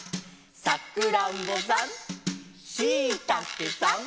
「さくらんぼさん」「しいたけさん」